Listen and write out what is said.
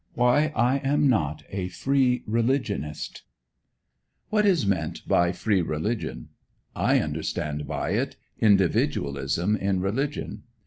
WHY I AM NOT A FREE RELIGIONIST What is meant by "Free Religion"? I understand by it, individualism in religion.